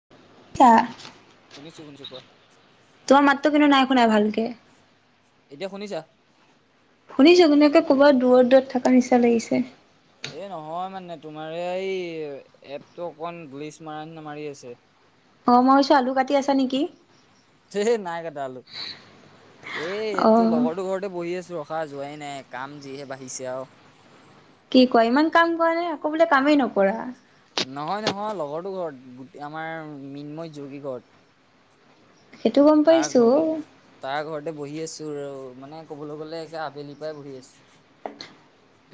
[unintelligible] তা শুনিছো শুনিছো। কোৱা? তোমাৰ মাতটো কিন্তু নাই শুনাই ভালকে। এতিয়া শুনিছা? শুনিছো কিন্তু একে ক'ৰবাত দূৰত দূৰত থকা নিচিনা লাগিছে। এ নহয় মানে তোমাৰ এই এপটো অকণ গ্লিচ মাৰ নিচিনা মাৰি আছে। অ মই ছো আলু কাটি আছা নেকি? এ নাই কটা আলু, এই তোৰ অ' লগৰটো ঘৰতে বহি আছো ৰ। খোৱা যোৱাই নাই কাম যিহে বাঢ়িছে আও। কি কয় ইমান কাম কৰা নে আকৌ বোলে কামেই নকৰা নহয় নহয় লগৰটো ঘৰত গোট আমাৰ মিনময় জৌগি ঘৰত সেইটো গম তাৰ পাইছো ঘৰত তাৰ ঘৰতে বহি আছো আৰু মানে কবলৈ গলে একে আবেলিৰ পৰাই বহি আছো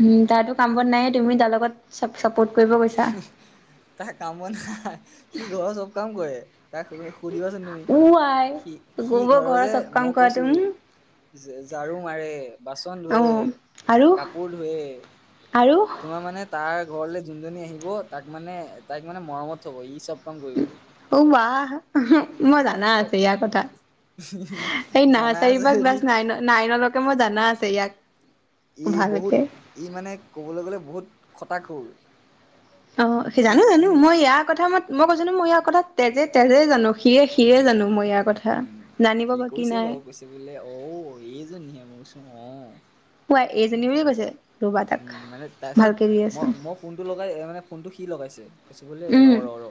উম তাতো কাম বন নায়ে তুমি তাৰ লগত চা চাপৰ্ট কৰিব গৈছা। তাৰ কামত নাই সি ঘৰৰ চব কাম কৰে তাক। সুধিবাচোন তুমি উ আই সি সি গোবৰ ঘৰৰ যে চব কাম মই কৰা কৈছোঁ। তুমি। ঝাৰু মাৰে বাচন ধুৱে অ' আৰু কাপোৰ ধুৱে- আৰু তোমাৰ মানে তাৰ ঘৰলে যোনজনী আহিব তাক মানে তাইক মানে মৰমত থব ই চব। কাম কৰিব অও ৱাহ। মই জনা আছো ইয়াৰ কথা এই জানা নাৰ্চাৰীৰ আছে পৰা ক্লাছ যদিও নাইনত। নাইন লোকে মই জানা আছে। ইয়াক ই বহুত ভালকে। ই মানে ক'বলৈ গ'লে বহুত খটা খুৰ। অ সি জানো জানো মই ইয়াৰ কথা ম মই কৈছানো মই ইয়াৰ কথা তেজে তেজে জানো। সিৰে সিৰে জানো মই উম ইয়াৰ কথা উম জানিব সি বাকী কৈছে নাই। বাৰু কৈছে বোলে অঔ এইজনীহে মই বৈছোঁ অ। পুৱাই এইজনী বুলি কৈছে। ৰবা তাক উম মানে তাইছত- ভালকে দি আছো মই মই ফোনটো লগাই মানে ফোনটো সি লগাইছে কৈছে বোলে উম ৰ ৰ ৰ।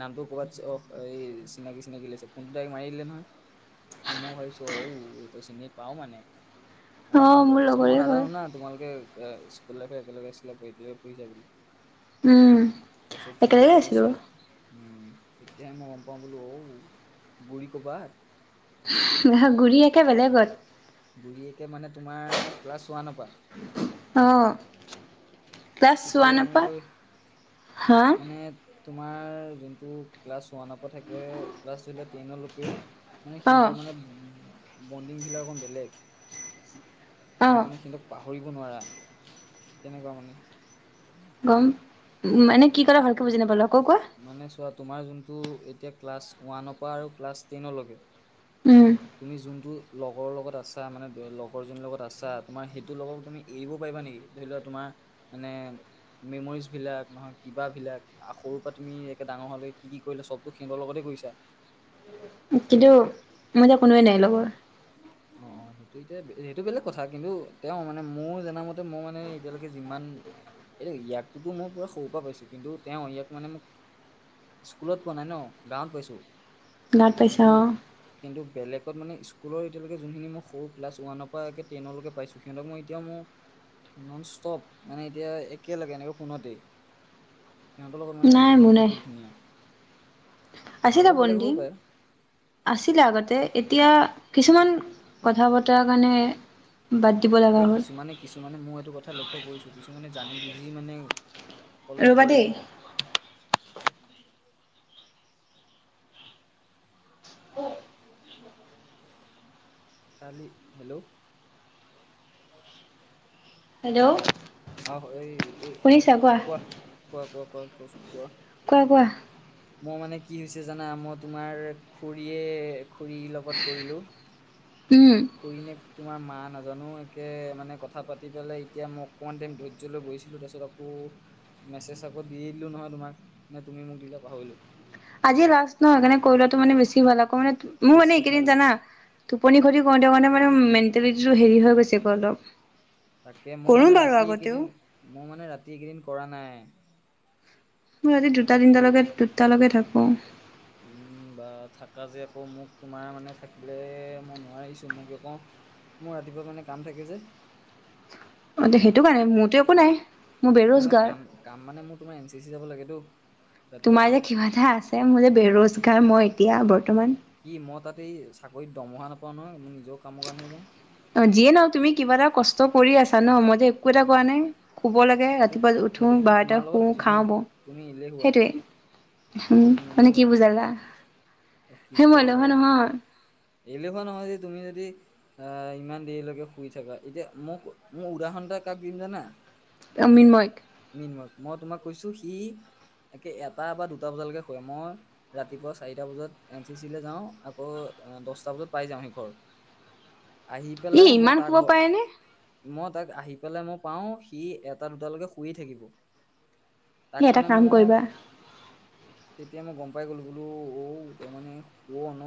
নামটো ক'ৰবাত অ এই চিনাকি চিনাকি লাগিছে ফোনতটো ডাইৰেক্ট মাৰি দিলে নহয়। মই ভাবিছো অঔ এইটো চিনি পাও মানে অ মানে তহঁত মোৰ তাৰছত মই লগৰে হয় নাজানো না তোমালোকে স্কুল লাইফ একেলগে আছিলা, একেলগে পঢ়িছা বুলি উম তাৰপিছত সি একেলগে যেতিয়া আছিলো কৈছে ‌অ উম তেতিয়াহে মই গম পাওঁ বোলো ঔ গুৰি ক'ৰবাত। ঘুৰিয়াকে বেলেগত। গুৰিয়েকে মানে তোমাৰ ক্লাছ ওৱানৰ পা। অ ক্লাছ ঠিকেই ওৱান পা এনেকৈ হা- মানে তোমাৰ যোনটো ক্লাছ ওৱানত। ক থাকে ক্লাছ ধৰিলোৱা টেইনৰ লৈকেও মানে অ সিহঁতৰ মানে- বণ্ডিং বিলাক অকণ বেলেগ অ তোমাৰ মানে সিহঁতক পাহৰিব নোৱাৰা তেনেকুৱা মানে। গম মানে কি কলা ভালকে বুজি নাপালো আকৌ কোৱা মানে চোৱাত তোমাৰ যোনটো এতিয়া ক্লাছ ওৱানৰ পৰা আৰু ক্লাছ টেনৰলৈকে। উম তুমি যোনটো লগৰৰ লগত আছা মানে লগৰজনীৰ লগত আছা তোমাৰ সেইটোৰ লগত তুমি এৰিব পাৰিবা নেকি। ধৰি লোৱা তোমাৰ মানে মেমৰিজবিলাক নহয়। কিবাবিলাক সৰুৰ পৰা তুমি একে ডাঙৰ হ'লে কি কি কৰিলা চবতো সিহঁতৰ লগতে কৰিছা। কিন্তু মই এতিয়া কোনোৱে নাই লগৰ। অ অ সেই ত এতিয়া সেইটো বেলেগ কথা কিন্তু তেওঁ মানে মোৰ জনা মতে মই মানে এতিয়ালৈকে যিমান। এতিয়া ইয়াকতো মই পুৰা সৰুৰ পৰা পাইছো কিন্তু তেওঁ ইয়াক মানে মোক স্কুলত পোৱা নাই ন গাঁৱত পাইছো গাত পাইছা কিন্তু, অ কিন্তু বেলেগত মানে স্কুলৰ এতিয়ালকে যোনখিন মই সৰু ক্লাছ ওৱানৰ পৰা একে টেনৰকে পাইছো সিহঁতক মই এয়া মই নন ষ্টপ মানে এতিয়া একে লগে এনেকে ফোনতে। সিহঁতৰ লগত মানে নাই মোৰ বণ্ডিংটো নাই বহুত ধুনীয়া। তোমাৰ আছিলে লগত বেলেগ হ'ব বণ্ডিং পাৰে আছিলে আগতে এতিয়া কিছুমান কথা পত- ত কাৰণে বাদ- দিব লগা এই হ'ল কিছুমানে কিছুমানে মই এইটো কথা লক্ষ্য কৰিছো কিছুমানে জানি বুজি মানে- কল ৰ'বা নকৰে দেই খালি হেল্ল'। হেল্ল' আহ এই এইটো, কোৱা, কোৱা- কোৱা কচোন কোৱা। কোৱা- কোৱা মই মানে কি হৈছে জানা মই তোমাৰ খুৰীয়ে খুৰীৰ লগত কৰিলো উম। খুৰীনেক তোমাৰ মা নাজানো একে মানে কথা পাতি পেলাই এতিয়া মই অকণমান টাইম ধৈৰ্য লয় বহিছিলোঁ তাৰপিছত আকৌ মেছেজ আকৌ দি দিলো নহয় তোমাক নে তুমি মোক দিলে পাহৰিলো আজি লাষ্ট নহ সেইকাৰণে কৰিলোৱাটো মানে বেছি ভাল আকৌ মানে মোৰ মানে বেছি ভাল এইকেইদিন জানা টোপনি ক্ষতি কৰোঁতে কাৰণে মানে মেণ্টেলিটিটো হেৰি হৈ গৈছে অলপ তাকে মই কৰোঁ মানে বাৰু ৰাতি আগতেও কেইদিন, মই মানে ৰাতি এইকেইদিন কৰা নাই মই ৰাতি দুটা তিনটালৈকে- দুটালৈকে থাকো। উম বা থাকা যে আকৌ মোক তোমাৰ মানে থাকিলে মই নোৱাৰিছোঁ মই বুলি কওঁ মোৰ ৰাতিপুৱা মানে কাম থাকে যে অ দে সেইটো কাৰণে মোৰতো একো নাই মোৰ নাই নাই বেৰোজগাৰ কাম- কাম মানে মোৰ তোমাৰ এন চি চি যাব লাগে টো ৰাতিপুৱাই - ৰাতিপুৱাই বাধা আজ ছেম, মই যে বেৰোজগাৰ মই এতিয়া বৰ্তমান কি মই তাতে এই চাকৰিত দৰমহা নাপাওঁ নহয় মোৰ নিজৰও কামৰ কাৰণেহে যাওঁ। অ যিয়ে ন তুমি কিবা এটা কষ্ট কৰি আছা ন, মই যে একো এটা কৰা নাই। শুব লাগে সেইটোত ৰাতিপুৱা উঠো সেইটো সেইটো বাৰটা তোমাৰ লগত শুওঁ, কথা ন খাওঁ বও তুমি এলেহুৱা সেইটোৱেই। হুম তুমি মানে এলেহুৱা কি আকৌ বুজালা, অ কি হেই মই বুজালো এলেহুৱা আকৌ নহয়। এলেহুৱা নহয় যে তুমি যদি আহ ইমান দেৰিলৈকে শুই থকা, এতিয়া মোক মোৰ উদাহৰণ এটা কাক দিম জানা? অ মৃন্ময়ক মৃন্ময় ক মই তোমাক কৈছো সি একে এটা বা দুটা বজালৈকে শুৱে, মই ৰাতিপুৱা চাৰিটা বজাত এন চি চি লে যাওঁ আকৌ দহটা বজাত পাই যাওঁহি ঘৰ। আহি ই পেলাই মই ইমান তা শুব ঘৰ পাৰেনে মই তাক আহি পেলাই মই পাও, সি এটা দুটালৈকে শুইয়ে থাকিব ই তাক এটা মানে কাম মই, কৰিবা তেতিয়া মই গম পাই গ'লো বোলো ঔ ত মানে শুৱ ন?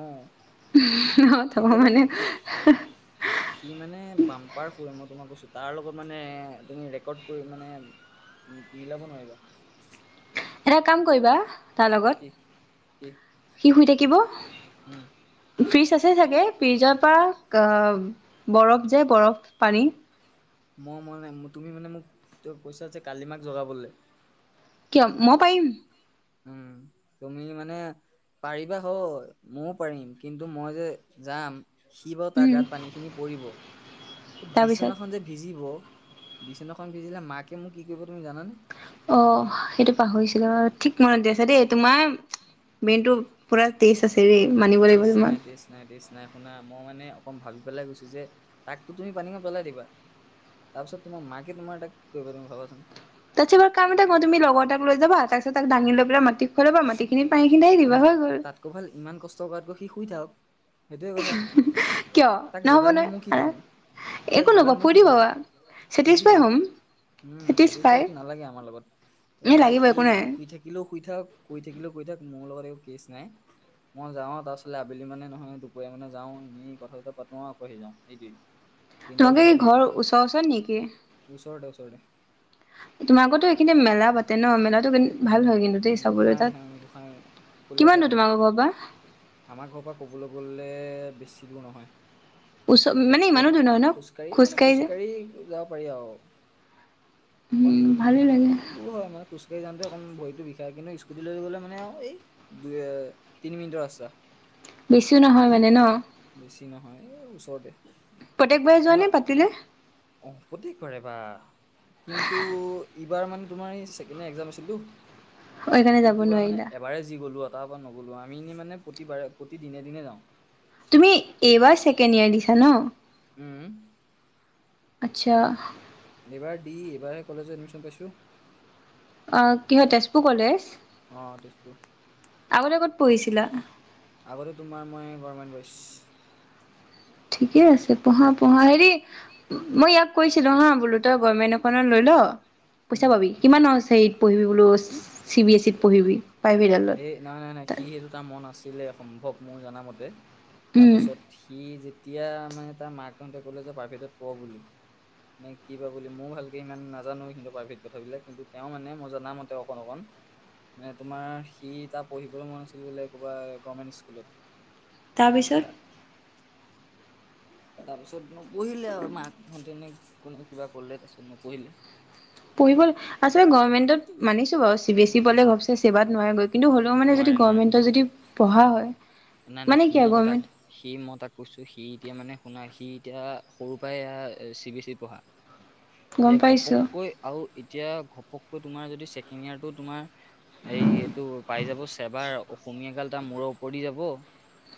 ত কেতিয়াবা মানে কেতি সি মানে বাম্পাৰ শুৱে মই তোমাক কৈছো তাৰ লগত মানে তুমি ৰেকৰ্ড কৰি মানে মিলাব নোৱাৰিবা এটা কাম কৰিবা তাৰ লগত কি? কি? সি শুই থাকিব হুম ফ্ৰিজ আছে চাগে, ফ্ৰিজৰ পৰা আ বৰফ যে বৰফ পানী মই মানে, তুমি মানে মোক কৈছা যে কালিমাক জগাবলৈ কিয়? মই পাৰিম। উম, তুমি মানে পাৰিবা হয়, মইও পাৰিম, কিন্তু মই যে যাম সি বাও তাৰ উম গাত পানীখিনি পৰিব, এ তাৰপিছত বিচনাখন যে ভিজিব, বিচনাখন ভিজিলে মাকে মোক কি কৰিব তুমি জানানে? অ সেইটো পাহৰিছিলো ঠিক মনত দি আছা দেই তোমাৰ মেইনটো, পোৰা তেজ আছে ৰে, তেইছ নাই তেইছ, তেজ চাই শুনা মই মানে অকণ ভাবি পেলাই গৈছো যে তাকতো তুমি পানীঙত পেলাই দিবা। তাৰপিছত তোমাৰ মাকে তাইক কি কৰিব তুমি ভাবাচোন। তাৰিছতাৰ কাম এটা ক তুমি লগৰ এটাক লৈ যা তাকপাছ তাক দাঙি লৈ পেলাই মা, ৰ পৰা মাটিখিনিত পানী খিনি ধালি দিবা হৈ গ'ল। কৌ ভাল ইমান কষ্ট কৰাতকৈ সি শুই থাকক সেইটোয়ে কথা। কিয় তাক নহ'ব জোগাই নো মই কি নহয় পাম। তাক একো জগাই নকবা নো মই কি ফূৰ্তি পাম পাবা। ফূৰ্তি চেটিছফাই পাম। হ'ম উম চেটিছফাই চেটিছফাইতো নালাগে আমাৰ লগত, এ এয়া লাগিব সি একো নাই। শুই থাকিলেও শুই থাক। শুই থাকিলেও শুই থাক মোৰ লগত একো কেচ নাই। মই যাওঁ তাৰপছত আবেলি মানে নহয় দুপৰীয়া মানে যাওঁ এনেই কথা চথা পাতো আৰু আকৌ আহিযাওঁ সেইটোৱে। [inaudible] তোমালোকে কি ঘৰৰ ওচৰ ওচৰত নেকি? ওচৰতে ওচৰতে তোমাৰ আগতো এইখিনি মেলা পাতে ন মেলাটো ভাল হয় কিন্তু। দেই চাবলৈ গোঁসাই তাত। থান গোঁসাই কিমান কলসাই দূৰ থান। তোমালোকৰ ঘৰৰ পৰা আমাৰ ঘৰৰ পৰা ক'বলৈ গ'লে বেছি দূৰ নহয়। ওচৰ মানে ইমানো দূৰ একেবাৰে নহয় ন খোজকাঢ়ি মানে যে? খোজকাঢ়ি যাব পাৰি আৰু অকণ উম ভালে লাগে অকনমান দূৰ হয় মানে খোজকাঢ়ি যাওঁতে অকণ ভৰিতো বিষ, তাত কিন্তু স্কুটি লৈ গ'লে মানে আৰু এই দুই এ তিনি মিনিটৰ ৰাস্তা। বেছিও নহয় মানে ন? বেছি নহয় এই ওচৰতে। প্ৰত্যেক বাই যোৱা তোমাৰ নে পাতিলে। অ প্ৰত্যেকবাৰে বা কিন্তু এইবাৰ মানে তোমাৰ এই ছেকেণ্ডৰীয়েৰ এক্সাম আছিলতো। সেইকাৰণে যাব এইটো বাৰ মানে নোৱাৰিলা এবাৰে যি গ'লো তাৰ পৰা নগলো আমি এনে মানে প্ৰতিবাৰে প্ৰতি দিনে দিনে যাওঁ। তুমি এইবাৰ ছেকেণ্ড ইয়ে দিছা ন। উম, আচ্ছা, এইবাৰ দি এইবাৰ কলেজত এডমিশ্যন পাইছোঁ। অঁ কি হয় তেজপুৰ কলেজ, অ তেজপুৰ আগতে ক'ত পঢ়িছিলা? আগতে তোমাৰ মই গমেণ্ট বইছ। ঠিকে আছে পঢ়া পঢ়া হেৰি, মই ইয়াক কৈছিলো হা বোলো তই গৰ্মেণ্ট এখনত লৈ ল। পইচা উম পাবি, কিমান হৈছে পঢ়িবলো চি বি এছ ইত, পঢ়িবি প্ৰাই ভেদডালত তাত, টা মন আছিলে সম্ভৱ মই জনামতে উম তাৰপাছত। সি যেতিয়া মানে তাৰ মাকহতে ক'লে যে প্ৰাইভেটত পঢ় বুলি। নে কি বা বুলি ময়ো ভালকে ইমান নাজানো কিন্তু পাৰ্ভেট কথাবিলাক কিন্তু তেওঁ মানে মই জনামতে অকণ অকণ, মানে তোমাৰ সি তাৰ পঢ়িবলৈ মন আছিল বোলে কবা গভৰ্মেণ্ট স্কুলত, তাত তাৰপিছত। তাৰপিছত নপঢ়িলে আৰু মাক হতেনে কোনে কিবা কৰিলে তাৰপিছত নপঢ়িলে। পঢ়িব আচলতে গভমেন্টত মানিছো বাৰু চি বিএছ ই পলে গপছে ছেবাত নোৱাৰে। কিন্তু হ'লেও মানে যদি নোৱাৰে নোৱাৰে গভমেণ্টত যদি পঢ়া হয়। নাই নাই মানে সি কি আৰু মই তাক। গভৰ্ণমেণ্ট সি মই তাক কৈছো সি এতিয়া মানে শুনা সি এতিয়া সৰুৰ পৰাই চি বি এছ ই পঢ়া। এ গম পাইছোঁ ঘপককৈ, আৰু এতিয়া ঘপককৈ তোমাৰ যদি ছেকেণ্ড ইয়েৰটো তোমাৰ। এই এইটো পাই যাব চেবাৰ অসমীয়া গাল তাৰ মূৰৰ ওপৰ দি যাব।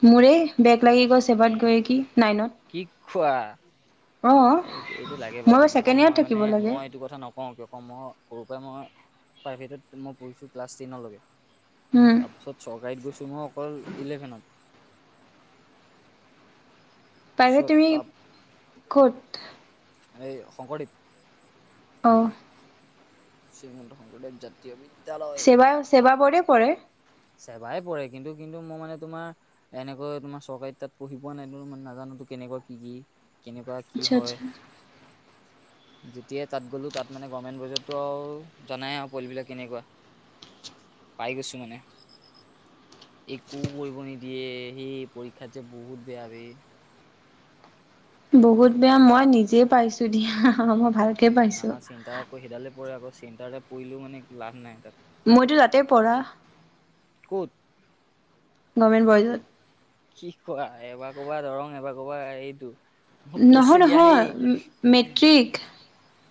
মোৰে বেগ লাগি গ'ল ছেবাত গৈ কি নাইনত। কি খোৱা অঁ এই এইটো লাগে বাৰু মই দে আকৌ ছেকেণ্ড মই ইয়েৰত থাকিব মানে লাগে মই এইটো কথা নক অহ, কিয় কও মই সৰুৰ পে মই প্ৰাইভেটত মই পঢ়িছোঁ ক্লাছ টেনলৈকে। উম তাৰ পিছত চৰকাৰীত গৈছো [unintelligible] অকল ইলেভেনত। প্ৰাইভেট তাৰপিছত তুমি তাত ক'ত? এই শংকৰদেৱ। অহ', শ্ৰীমন্ত শংকৰদেৱ জাতীয় বিদ চেবা-চেবা বৰ্ডে পৰে? চেবাই পৰে কিন্তু- কিন্তু মই মানে তোমাৰ এনেকৈ তোমাৰ চৰকাৰী তাত পঢ়ি পোৱা নাই টো ইমান নাজানোটো কেনেকুৱা কি -কি কেনেকুৱা কি আচ্ছা আচ্ছা হয় যেতিয়া তাত গ'লো তাত মানে গমেন বয়জতটো আও জানাই আৰু পোৱলিবিলাক কেনেকুৱা। পাই গৈছো মানে। একো কৰিব নিদিয়ে সেই পৰীক্ষাত যে বহুত বেয়া ৰে। বহুত বেয়া মই নিজে পাইছোঁ দিয়া মই ভালকে উম পাইছোঁ। আমাৰ চেণ্টাৰ আকৌ সেইডাল পৰে আকৌ চেন্টাৰতে পৰিলেও মানে একো লাভ নাই তাত। মইতো তাতে পঢ়া। ক'ত? গমেন বয়জত। কি কোৱা এবাৰ কবা দৰং এবাৰ কবা এইটো। মোক কৈছে নহয় দিয়া নহয় সেই মেট্ৰিক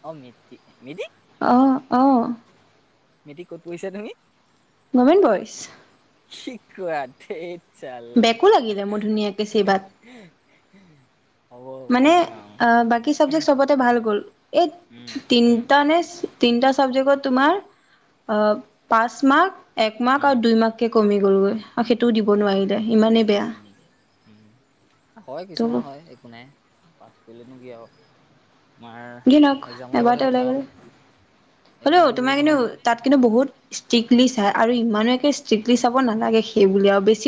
অ, মেত্ৰি মিদি অহ, অ, মেট্ৰিক ক'ত পঢ়িছা তুমি? গমেণ্ট বইচ। কি কোৱা ধেইট চাল্লা! বেকো লাগিলে মোৰ ধুনীয়াকে চিবাত। [unintelligible] মানে আ বাকী চাবজেক্ট চবতে ভাল গ'ল এই উম উম তিনটা নে তিনটা ছাবজেক্টত তোমাৰ অ, পাঁচ মাৰ্ক, এক মাৰ্ক উম আৰু দুই মাৰ্ক কে কমি গঁল গৈ আৰু সেইটোও দিব অ নোৱাৰিলে সিমানে বেয়া। উম উম, হয় ত' কিছুমান হয় একো নাই পাছ কৰিলেনো কি আওঁ। তোমাৰ যি নহওক একজামৰ লগতহে কথা আও। হ'লো তোমাৰ কিন্তু তাত কিন্তু বহুত ষ্ট্ৰিকলি চায় আৰু ইমানো একে ষ্ট্ৰিকলি চাব নালাগে সেইবুলি আৰু বেছ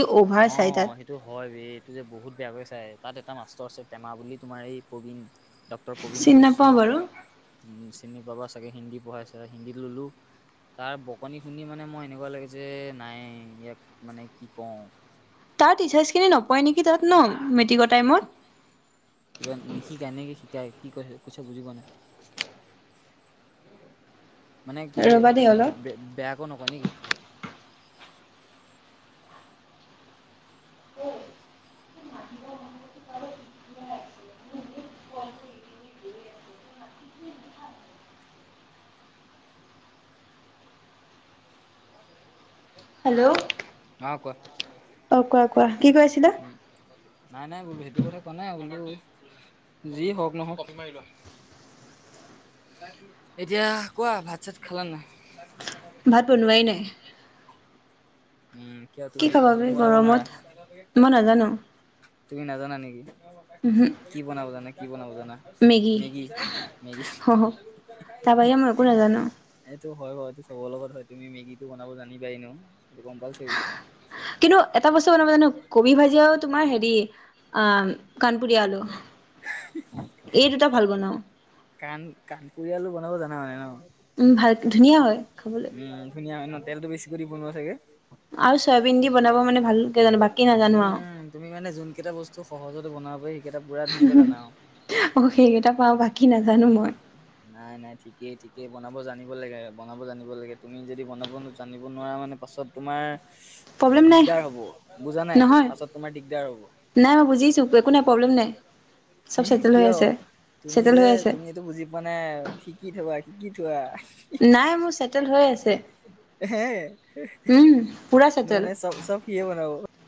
অ, সেই এইটো হয় ৰে এইটো যে বহুত বেয়াকৈ চাই তাত এটা মাষ্টৰ আছে টেমা বুলি তোমাৰ এই প্ৰবীণ ডক্টৰ প্ৰবীণ চিনি কোচ। নাপাওঁ বাৰু উম, চিনি পাবা চাগে হিন্দী পঢ়াইছে হিন্দী লোলো। তাৰ বকনি শুনি মানে মই এনেকুৱা লাগে যে নাই ইয়াক মানে কি কওঁ তাৰ টিচাৰ্জখিনি নপৰে নেকি তাত ন' মেট্ৰিকৰ টাইমত? কিবা নিশিকায় নে কি শিকায় কি কৈছে- কৈছে বুজি পোৱা নাই। মানে কি ৰ'বা দেই অলপ বেয়াকো নকয় নেকি? [unintelligible] হেল্ল', আ, কোৱা? অ, কোৱা- কোৱা কি কৈ আছিলা? উম, নাই- নাই বোলো সেইটো কথা কোৱা নাই বোলো যি হওক নহওঁক এতিয়া কোৱা ভাত- চাত খালা নে নাই? ভাত বনোৱাই নাই উম, কিয় কি খাবা বে তুমি-তুমি বনাব নোৱাৰা? গৰমত মই নাজানো তুমি নাজানা নেকি? উহু কি বনাব জানে, কি বনাব জানা? Maggi Maggi Maggi. হ হ তাৰ বাহিৰে মই একো নাজানো এইটো হয় বাৰু এইটো চবৰ লগত হয় তুমি মেগীটো বনাব জানিবা এনেও এইটো কম্পালচৰি। কিন্তু এটা বস্তু বনাব জানো কবি ভাজি আৰু তোমাৰ হেৰি আ উম, কাণপুৰিয়া আলু। এই দুটা ভাল বনাওঁ। কাণ কাণপুুৰিয়া আলু বনাব জানে মানে ন' উম। ভাল ধুনীয়া হয় খাবলৈ ধুনীয়া হয় ন, তেলটো বেছিকৈ দি বনোৱা চাগে? আৰু চয়াবিন দি বনাব মানে ভালকে জানো বাকী [unintelligible] নাজানো আৰু উম। তুমি মানে যোনকেইটা বস্তু সহজতে বনাব পাৰি সেইকেইটা পুৰা ধুনীয়াকে জানা আৰু। অ সেইকেইটা পাৰো বাকী নাজানো মই। নাই নাই ঠিকেই-ঠিকেই বনাব জানিব লাগে, বনাব জানিব লাগে, তুমি যদি বনাব জানিব নোৱাৰা মানে পাছত তোমাৰ প্ৰব্লেম নাই দিগদাৰ হ'ব, বুজা নাই? নহয় পাছত তোমাৰ দিগদাৰ হ'ব। নাই মই বুজিছো একো নাই প্ৰব্লেম নাই চব উম চেটেল হৈ কিয়? আছে তুমি চেটেল যে হৈ আছে তুমি সেইটো বুজি পোৱা নাই শিকি থবা শিকি থোৱা। নাই মোৰ চেটেল হৈ আছে হে? উম পুৰা চেটেল মানে চব চব সিয়ে বনাব।